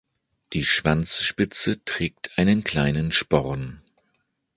Die Schwanzspitze trägt einen kleinen Sporn.